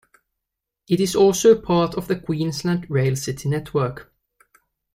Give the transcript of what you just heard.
It is also part of the Queensland Rail City network.